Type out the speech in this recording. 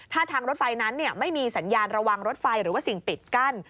ถ้าทางรถไฟนั้นไม่มีสัญญาณระวังรถไฟหรือว่าสิ่งปิดกั้น